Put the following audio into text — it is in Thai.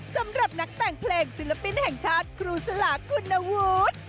สำหรับนักแต่งเพลงศิลปินแห่งชาติครูสลาคุณวุฒิ